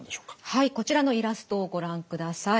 はいこちらのイラストをご覧ください。